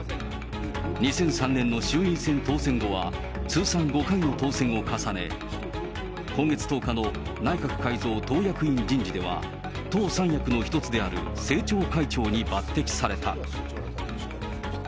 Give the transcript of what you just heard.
２００３年の衆院選当選後は通算５回の当選を重ね、今月１０日の内閣改造党役員人事では、党三役の１つである政調会長に抜てきされた。